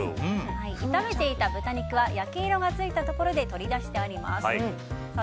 炒めていた豚肉は焼き色がついたところで取り出してあります。